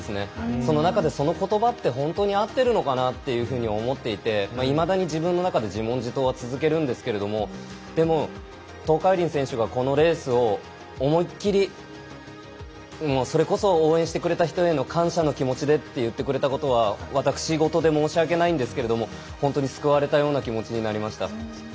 その中でそのことば本当に合っているのかなというふうに思っていていまだに自分の中で自問自答を続けるんですけどでも東海林選手が、このレースを思い切り、それこそ応援してくれた人への感謝の気持ちでと言ってくれたことが私事で申し訳ないんですけど本当に救われたような気持ちになりました。